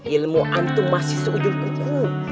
ilmu antu masih seujung kuku